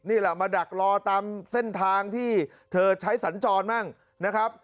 นี่แหละมาดักรอตามเส้นทางที่เธอใช้สัญจรบ้างนะครับ